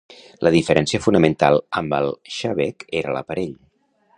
La diferència fonamental amb el xabec era l'aparell.